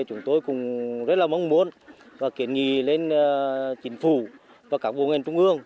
chúng tôi cũng rất là mong muốn và kiến nghị lên chính phủ và các bộ ngành trung ương